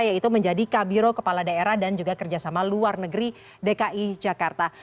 yaitu menjadi kabiro kepala daerah dan juga kerjasama luar negeri dki jakarta